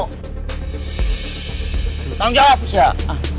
hentikan teror hantu penunggu batu akik saya yang dibeli sama mas marmo